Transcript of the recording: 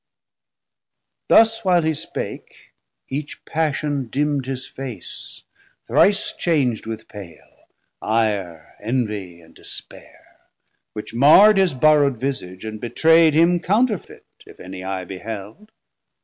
Thus while he spake, each passion dimm'd his face Thrice chang'd with pale, ire, envie and despair, Which marrd his borrow'd visage, and betraid Him counterfet, if any eye beheld.